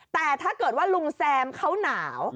แต่ถ้าเกิดว่าลุงแซมเขาหนาว